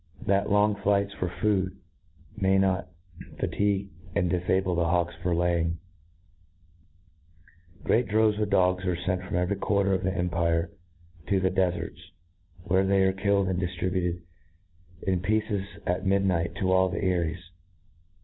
That long flights for food may not fa * tigue and difable the hawks for laying, great droves of dogs are fent from every quarter of the empire to the defarts, where they are killed, and diftributed in pieces at midnight to all the eyries.